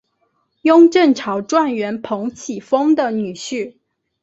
雍正朝状元彭启丰的女婿。